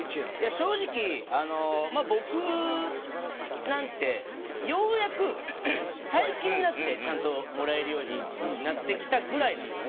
正直、僕なんてようやく最近になってちゃんと、もらえるようになってきたくらいなんですよね。